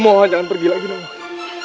aku mohon jangan pergi lagi nawangsi